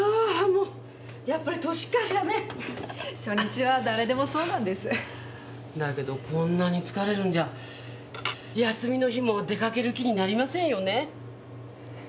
もうやっぱり年かしらね初日は誰でもそうなんですだけどこんなに疲れるんじゃ休みの日も出かける気になりませんよね